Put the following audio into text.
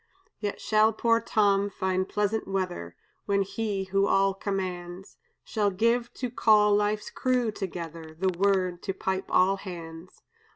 "Yet shall poor Tom find pleasant weather When He who all commands Shall give, to call life's crew together, The word to pipe all hands.